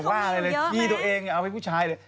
ตรงฟ้าที่ตัวเองออกมาให้ผู้ชายเลย